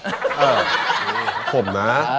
เออผมนะ